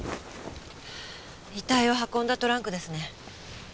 遺体を運んだトランクですね。